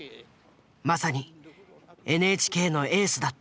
まさにＮＨＫのエースだった。